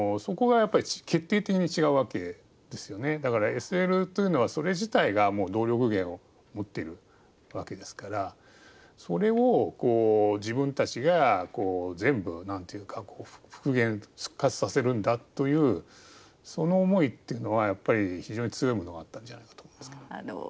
だからＳＬというのはそれ自体が動力源を持っているわけですからそれを自分たちが全部何て言うか復元復活させるんだというその思いっていうのはやっぱり非常に強いものがあったんじゃないかと思いますけど。